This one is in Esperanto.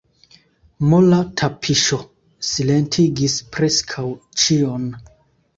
Mola tapiŝo silentigis preskaŭ ĉion.